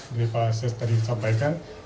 dari pak ses tadi sampaikan